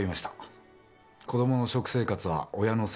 子供の食生活は親の責任ですから。